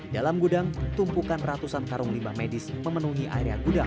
dalam gudang tumpukan ratusan karung limbah medis memenuhi area gudang